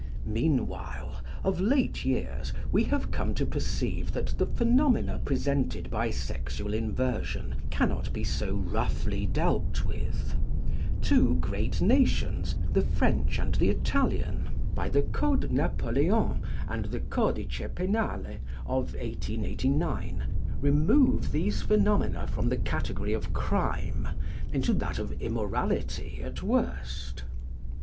Meanwhile, of late years, we have come to perceive that the phenomena presented by sexual inversion, cannot be so roughly dealt with. Two great nations, the French and the Italian, by the "Code Napoleon" and the "Codice Penale" of 1889, remove these phenomena from the category of crime into that of immorality at worst.